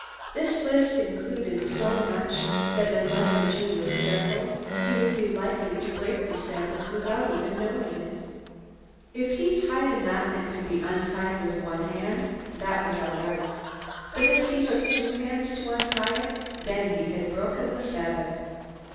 This list included so much that unless a Jew was careful, he would be likely to break the Sabbath without even knowing it. If he tied a knot that could be untied with one hand, that was all right; but if he took two hands to untie it, then he had broken the Sabbath.